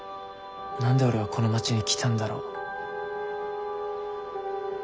何で俺はこの町に来たんだろう。